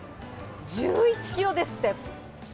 １１キロですって。